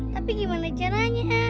tapi gimana caranya